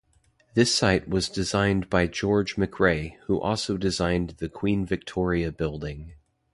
This site was designed by George McRae, who also designed the Queen Victoria Building.